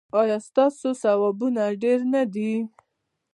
ایا ستاسو ثوابونه ډیر نه دي؟